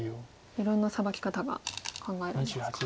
いろんなサバキ方が考えられますか。